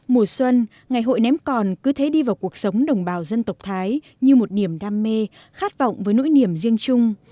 mùa xuân ngày hội ném còn cứ thế đi vào cuộc sống đồng bào dân tộc thái như một niềm đam mê khát vọng với nỗi niềm riêng chung